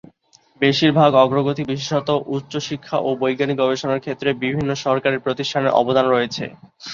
বেশিরভাগ অগ্রগতি, বিশেষত উচ্চশিক্ষা ও বৈজ্ঞানিক গবেষণার ক্ষেত্রে বিভিন্ন সরকারি প্রতিষ্ঠানের অবদান রয়েছে।